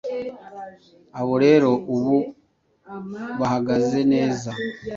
Abo rero ubu bahagaze neza